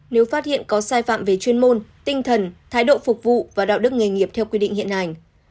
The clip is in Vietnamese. nếu phát hiện có sai phạm về chuyên môn tinh thần thái độ phục vụ và đạo đức nghề nghiệp theo quy định hiện hành